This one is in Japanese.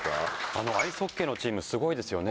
あのアイスホッケーのチームすごいですよね